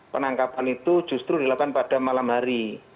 penangkapan itu justru dilakukan pada malam hari